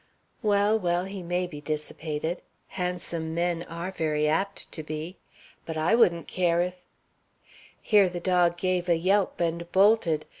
"Well, well, he may be dissipated; handsome men are very apt to be. But I wouldn't care if " Here the dog gave a yelp and bolted.